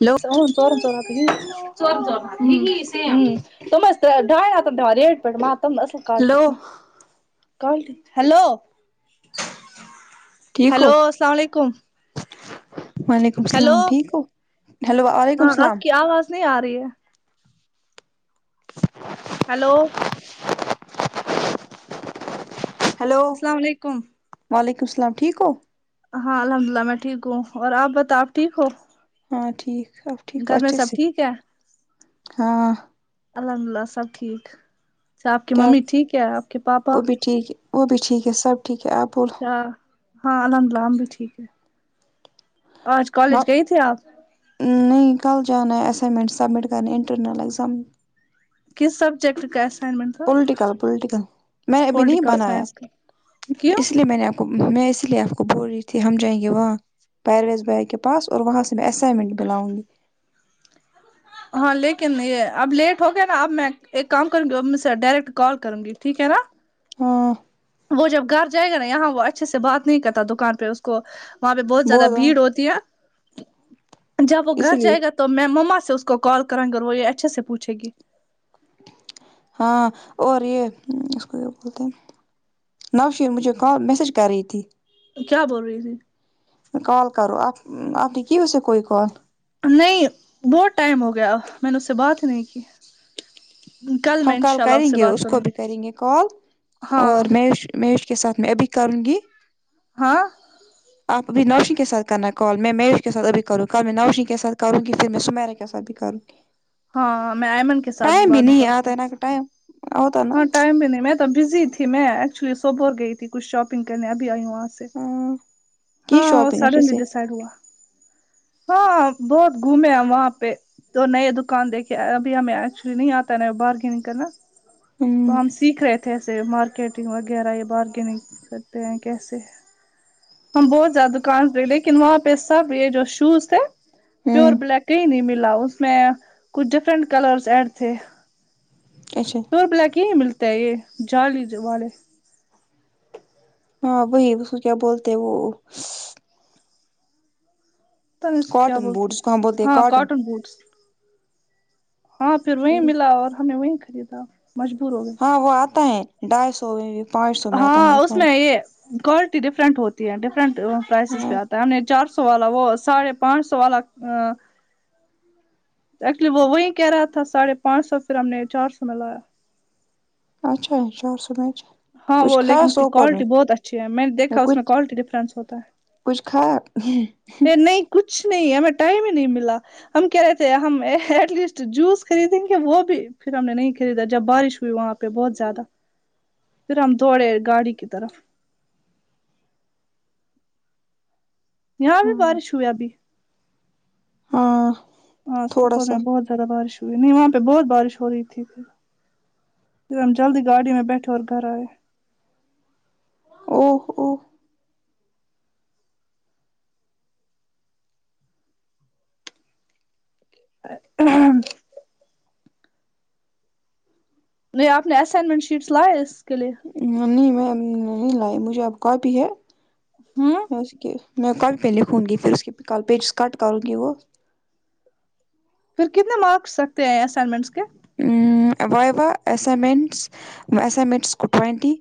hello ا چورا چورا ت تم ڈا ہاتن د رٹ پیٹ م وہگر تم [inaudible] کال ہلو ٹیک کال ہلو ٹھیک ہو ہیلو السلام علیکم وعلیکم ہیلو السلام ٹھیک ہو ہیلو وعلیکم ہاں آپ السلام کی آواز نہیں آ رہی ہے ہیلو ہلو السلام علیکم وعلیکم السلام ٹھیک کو ہو ہاں الحمد للہ میں ٹھیک ہوں اور آپ بتا آپ ٹھیک ہو ہاں ٹھیک اب ٹھیک ہو گھر میں اچھے سب سے ٹھیک ہے ہاں الحمدلہ سب ٹھیک اچھا آپ کی کیا ممی ٹھیک ہے آپ کے پاپا وہ بھی ٹھیک ہے وہ بھی ٹھیک ہے سب ٹھیک ہے آپ بول اچھا ہاں الحمد اللہ ہم بھی ٹھیک ہے آج کالج گئی تھی آپ نہیں کل جان ہے اسسائنمنٹ سبمٹ کرنے انٹرنل ایگزام کس سبجیکٹ کاس پوولٹیکل پولٹیکل میں نے ابھی نہیں پولیٹیکل بنایا سائنس کا کیوں اس لیے میں نے میں اس لیے آپ کو بول رہی تھی ہم جائیں گے وہاں پیرویز بھائی کے پاس اور وہاں سے میں اسائنمنٹ بھی لاؤں گی ہاں لیکن یہ اب لیٹ ہو گیا نا اب میں ایک کام کروں گی ا میں سے ڈائریکٹ کال کروں گی ٹھیک ہے نا ہاں وہ جب گھر جائے گا نا یہاں وہ اچھے سے بات نہیں کرتا دکان پہ اس کو وہاں پہ بہت زیادہ بھیڑ ہوتی ہے جب وہ گھر اسی لیے جائے گا تو میں مما سے اس کو کال کریں گے اور وہ یہ اچھے سے پوچھے گی ہاں اور یہ اس کو کیا بولتے ہیں نوشیر مجھے کال میسج کر رہی تھی کیا بول رہی تھی کال کرو آپ آپ نے کیو اسے کوئی کال نہیں بہت ٹائم ہو گیا میں نے اس سے بات نہیں کی کل میں ہم ان کال شاء اللہ کریں سے گے بات اس کو کروں گی بھی کریں گے کال ہاں اور میں مہوش کے ساتھ میں ا بھیھی کروں گی ہاں آ ابھی نوشن کے ساتھ کرناال میں میوش اپ بھی نوشین کے ساتھ ابھی کرنا کال میں نوشن کے ساتھ کروں گ کہ پھر میں سمیرا کے ساتھ بھی کروں گی ہاں میں ایئمن کے ساتھ بات میں کول ٹائم آتاہے ہاں ٹائم بھی نہیں میں تو بزی تھی میں ایکچولی صوبور گئی تھی کچھ شاپنگ کرنے ابھی آئی ہوں وہاں سے نا کی ہاں وہ شاپنگ اچھے سڈنلی سے ڈسائڈ ہوا ہاں بہت گھومے ہیں وہاں پہ تو نئے دکان دیکھے ابھی ہمیں ایکچولی نہیں آتا نہ بارگینگ کرنا تو ہمم ہم سیکھ رہے تھے ایسے مارکیٹنگ وغیرہ یا بارگیننگ کرتے ہیں کیسے ہم بہت زیادہ دکان تھ لیکن وہاں پہ سب یہ جو شوز تھے پیور ہمم بلیک کا ہی نہیں ملا اس میں کچھ ڈفرنٹ کلرس ایڈ تھے اچھا پیور بلیک ہی ملتا ہے یہ جالی والے ہاں وہی اس کو کیا بولتے وہ کیا کاٹن بولتے بوٹ جس کو ہم بولتے ہیں ہاں کاٹن بوٹس ہاں پھر وہیں ملا اور ہمیں وہیں خریدا مجبور ہو گیا ہاں وہ آتا ہے ہیں ڈھائی سو پانچ سو میں آتا ہے ہاں وہ اس میں یہ کوالٹی ڈفرنٹ ہوتی ہے ڈفرنٹ پرائسز پہ ہاں آتا ہے ہم نے چار سو والا وہ ساڑھے پانچ سو والا ایکچولی وہ وہی کہہ رہا تھا ساڑھے پانچ سو پھر ہم نے چار سو میں لایا اچھا چار سومیں ہاں وہ لیکن اس کی کوالٹی بہت اچھی ہے میں نے دیکا اس میں کوالٹی ڈفرینس ہوتا ہے کچھ کھایا آ پنے یہ نہیں کچھ نہیں ہمیں ٹائم ہی نہیں ملا ہم کہ رہے تھے ہم ایٹ لیسٹ جوس خریدیں گے وہ بھی پھر ہم نے نہیں خریدا جب بارش ہوئی وہاں پہ پہ بہت زیادہ پھر ہم دوڑے گاڑی کی طرف یہاں بھی بارش ہوئی ابھی ہاں ہاں تھوڑا سوپور سا میں بہت زیادہ بارش ہوئی نہیں وہاں پہ بہت بارش ہو رہی تھی پھر ہم جلدی گاڑی میں بیٹھے اور گھر آئے او او نہیں آپ نے اسائنمنٹ شیٹس لائے اس کے لیے نہیں نہیں میں لاۓ مجھے اب کاپی ہے ہاں میں اس کی میں کل پہ لکھوں گی پھر اس کی ک پیجز کٹ کروں گی وہ پھر کتنے مارکس لگتے ہیں اسائنمنٹس کے ہمم وائی وا ایسائمینٹس ایسائمینٹس کو ٹوونٹی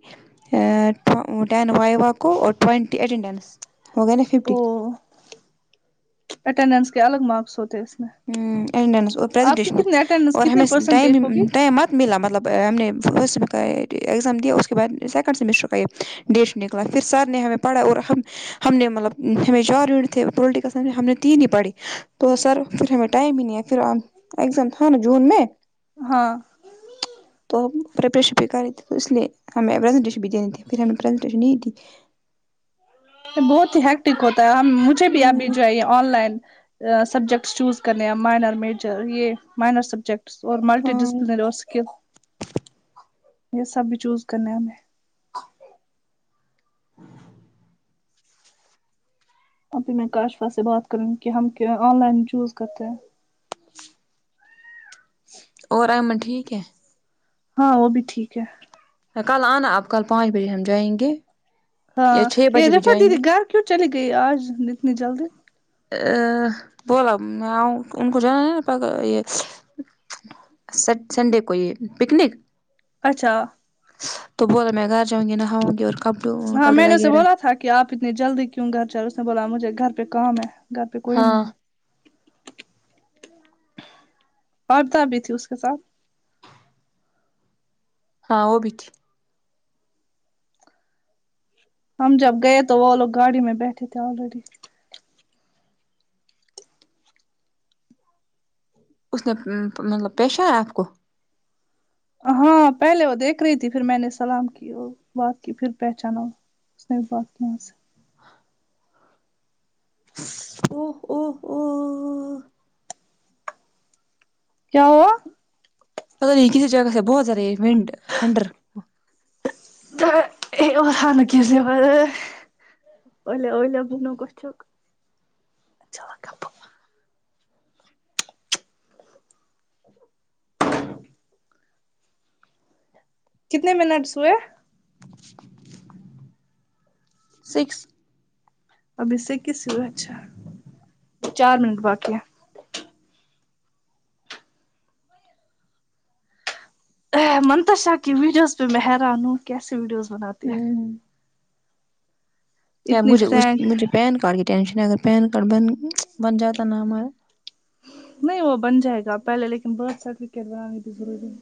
آ ٹین وائی وا کو اور ٹوئونٹی اٹینڈینس ہوگئے نا ففٹی اٹینڈینس کے الگ مارکس ہوتے ہیں اس میں ھمم اٹڈینس اور آپ کی پزنٹیشن کتنے اٹینڈنس اور ہمیں کتنی ٹائم پرسنٹیج ہوگی ٹائم اپ ملا مطلب ہم نے فسٹر ایگزام دیا اس کے بعد سیکنڈ سمیسٹر تھا یہ ڈیش نکلا پھر سر نے ہمیں پڑھا اور ہم ہم نے مطلب ہمیں چار یونٹ تھے پولیٹیکل سائنس ہم نے تین ہی پڑھی تو سر پھر ہمیں ٹائم ہی نہیں ہے پھر ایکزام تھا نہ جون میں ہاں تو پریپریشن بھی کر رہے تھے تو اس لیے ہمیں پریزنٹیشن بھی دیینی تے پھر ہم نےپریزنٹیشن نہیں دی بہت ہییکٹک ہوتا ہے ہم مجھے بھی آب بھی ہوں جائیے آن لائن سبجیکٹس چوز کرنے ہیں مائنر میجر یہ مائنر سبجیکٹ اور ملٹی ہاں [unintelligible] یہ سب بھی چوز کرنا ہے ہمیں ابھی میں کاشفا سے بات کروں گی کہ ہم آن لائن چوز کرتے ہیں اور ایمن ٹھیک ہے ہاں وہ بھی ٹھیک ہے کل آنا آپ کل پانچ بجے ہم جائیں گے یا ہاں چھ یہ بجے بھی دیکھو جائیں گے دیدی گھر کیوں چلی گئی آج اتنی جلدی بولا ان کو جانا یہ سنڈے کو یہ پکنک اچھا تو بولا میں گھر جاؤں گی نہاؤں گی اور کب لو ہاں میں نے اسے بولا تھا کہ آپ اتنی جلدی کیوں گھر جا رے اس نے بولا مجھے گھر پہ کام ہے گھر پہ کوئی ہاں نہیں ہے عبدا بھی تھی اس کے ساتھ ہاں وہ بھی تھی ہم جب گئے تو وہ لوگ گاڑی میں بیٹھے تھے آلریڈی اس نے مطلب پیش آ ہے آپ کو ہاں پہلے وہ دیکھ رہی تھی پھر میں نے سلام کی وہ بات کی پھر پہچانا اس بات کیاں سے او اوو کیا ہو پتاہ نہیں کسی جگہ سے بہت زیا رہا یہ ونڈ ٹھنڈر تو اور سانو کیسے الا بنوک اچک اچھا کتنے منٹس ہوئے سکس اب اسکس ہوا اچھا چار منٹ باقی منتشا کی ویڈیوز میں ہیران ہوں کیسے ویڈیوز بناتے ہے یار اتنی مجھے اس فرینک مجھے پین کارڈ کی ٹینشن ہے اگر پین کارڈ بن بن جاتا نا ہمارا نہیں وہ بن جائے گا پہلے لیکن برتھ سرٹیفکیٹ بنانی بھی ضروری ہے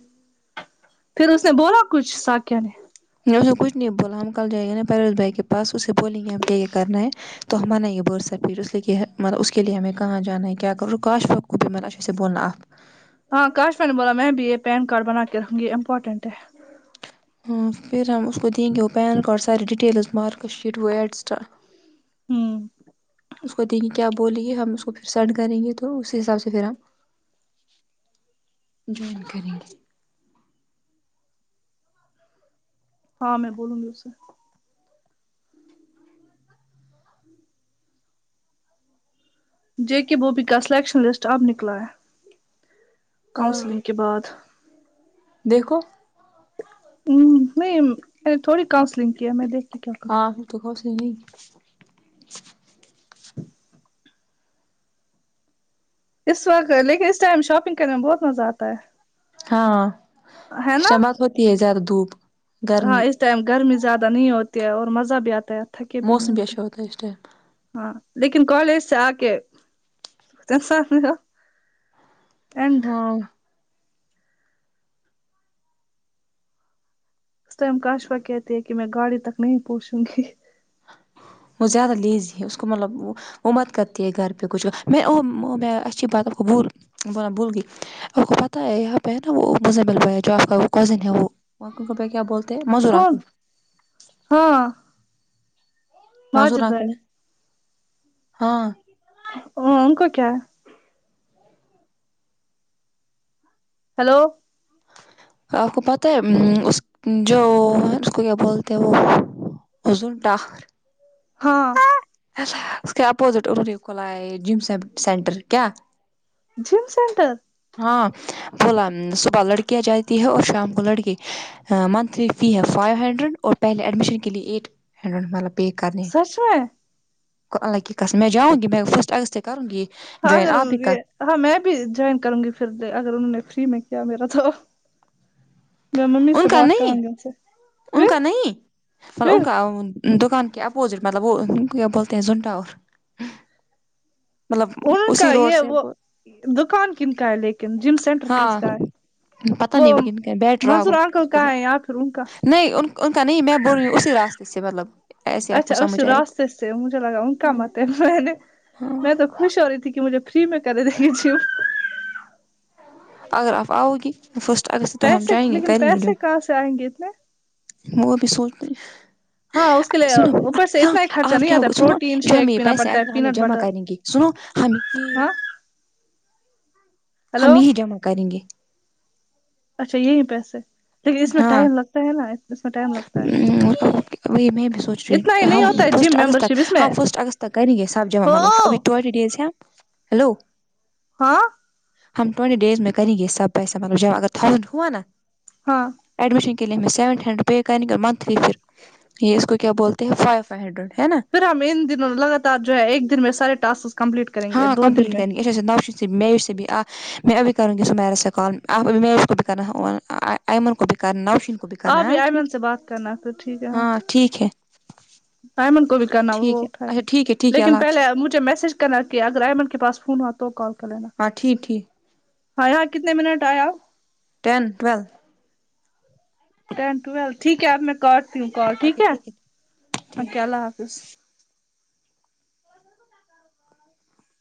پھر اس نے بولا کچھ ساکیا نے اس نے کچھ نہیں بولا ہم کل جائے گے نا پیروز بھائی کے پاس اسے بولیں گے ہم کیا کیا کرنا ہے تو ہم من یہ برتھ سرٹیفکیٹ اس لیے کہ مطلب اس کے لیے ہمیں کہاں جانا ہے کیا کر ر کاش اوبی مگربچھاسے بولنا آپ ہاں کاشوین نے بولا میں بھی یہ پین کارڈ بنا کے رکھوں گی یہ امپورٹینٹ ہے ہاں پھر ہم اس کو دیں گے وہ پین کارڈ سارے ڈیٹیلز مارک شیٹ وہ ایٹسٹرا ہوں اس کو دیںے کیا بولیے ہم اس کو پھر سینڈ کریں گے تو تو اسی حساب سے پھر ہم جوائن کریں گے ہاں میں بولوں گی اس سے جے کے بوبی کا سلیکشن لسٹ اب نکلا ہے ہاں کانسلنگ کے بعد دیکھو ہ نہیں تھوڑی کاؤنسلنگ کیا میں دیکھی ہاں تو کو نہیں اس وقت لیکن اس ٹائم شاپنگ کرنے میں بہت مزہ آتا ہے ہاں ہے نا اسٹمات ہوتی ہے زیادہ دھوپ ہاں گرمی اس ٹائم گرمی زیادہ نہیں ہوتی ہے اور مزہ بھی آتا ہے تھکے بھی نہیں موسم ہوتے اچھا ہوتا ہے اس ٹائم ہاں لیکن کالج سے آ کے اینڈ ہاں اس ٹائم کاشوا کہتے ہیں کہ میں گاڑی تک نہیں پہنچوں گی وہ زیادہ لیزی ہے اس کو مطلب وہ وہ مت کرتی ہے گھر پہ کچھ اچھی بات بول بول بھول گئی آپ کو پتا ہے یہاں پہ ہے نا وہ مزل بھائی ہے جو آپ کا کزن ہے وہ کیا ہیں منظور کون انکل ہاں مذور ماجد ہے آکھنے ہاں انکا کیا ہے ہیلو آپ کو پتہ ہے اس جو ہے اس کو کیا بولتے ہیں وہ اوزون ڈاک ہاں اپپوزٹ کھولا جم سینٹر کیا جم سینٹر ہاں بولا صبح لڑکیاں جاتی ہے اور شام کو لڑکی منتھلی فی ہے فائیو ہنڈریڈ اور پہلے ایڈمیشن کے لیے ایٹ ہنڈریڈ مطلب پے کرنے سچ میں اللہ کی قسم میں جاؤں گی میں فسٹ اگست کروں گی ہاں جوائن اگر آپ بھی کر ہاں میں بھی جوائن کروں گی پھر اگر انہوں نے فری میں کیا میرا تو میں ممی ان سے کا بات کروں نہیں گی ان سے پھر انکا نہیں پر پھر انا دکان کے اپوزٹ مطلب وہ کیا بولتے ہیں زن اور ان کا یہ وہ دکان کن کا ہے لیکن جن سے سینٹر کیس ہاں کا ہے پتہ وہ نہیں کن کا ہے، بیٹ راگ مظور ہو اس آنکل کو کا ہے یا پھر ان کا نہیں ان ان کا نہیں میں بول رہیوں اسی راستے سے مطلب ایسے آپ کو اچھا اس سمجھ آئے راستے سے مجھے لگا ان کا مت ہے میں نے ہاں میں تو خوش ہو رہی تھی کہ مجھے فری میں کر دیکےچ اگر آپ آؤ گی فسٹ اگست ہم چائیں گے کر گے کیاسئیں گتنا وہ بھی سوچتے ہے ہاں اس کے لیے سنو اوپر سے ہاں اتنا ہی خرچہ آپ نہیں کیا آتا ہے سنو پروٹین جو ہم شیک میر پینا پیسے آئے پڑتا ہے اتنے ہمیں پینٹ جمع بٹر کریں گے سنو ہم کی ہاں [inaudible] ہم ہلو ہی جمع کریں گے اچھا یہی پیسے لیکن اس میں ہاں ٹائم لگتا ہے نا اس میں ٹائم لگتا ام، ہے وہی میں بھی سوچ رہی اتنا ہی ہوں نہیں ہم ہوتا ہے فسٹ جم ممبر اگستک شپ اس میں ہم فسٹ اگست تک کر گ یہ سب جامع ہو ہملب ہم ابھی ٹوئنٹی دیز ہے نہ ہلو ہاں ہم ٹئونٹی ڈیز میں کریں گے سب پیسہ ملب اگر تھانڈ ہوا نا ہاں ایڈمیشن کے لیے ہمیں سیون ہنڈریڈ پے کریں گے اور منتھلی پھر یہ اس کو کیا بولتے ہیں فائیو ہنڈریڈ ہے نا پھر ہم ان دنوں لگاتار جو ہے ایک دن میں سارے ٹسکس کمپلیٹ کر ہاں کمپلیٹ کرنی اچےا نو شید میر سے بھی آہ میں ابھی کروں گی سمیرا سے کال اور مہویش کو بھی کرنا اور نوشین کو بھی کرنا ہے آپ بھی ٹھیک ایئمن سے بات کرنا پھر ٹھیک ہے ہاں ٹھیک ہے پیمنٹ کو بھی کرنا وہ ٹھیک ہے اچھا اٹھائی ٹھیک ہے ٹھیک ہے اللہ لیکن پہلے حافظ مجھے میسج کرنا کہ اگر ایئمن کے پس فون ہوا تو کال کر لینا ہاں ٹھیک ٹھیک ہاں کتنے منٹ آیا ٹین ٹویل ٹین ٹویل ٹھیک ہے اب میں کاٹتی ہوں کال ٹھیک ہے ٹھیک اوکے اللہ حافظ